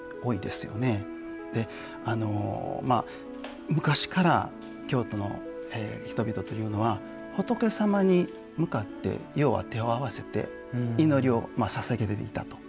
で昔から京都の人々というのは仏様に向かって要は手を合わせて祈りをささげていたと。